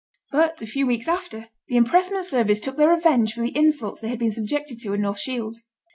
But a few weeks after, the impressment service took their revenge for the insults they had been subjected to in North Shields.